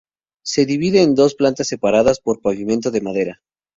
Se divide en dos plantas separadas por un pavimento de madera.